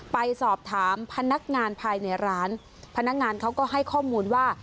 ไปสอบถามพนักงานภายในร้านพนักงานเขาก็ให้ข้อมูลว่า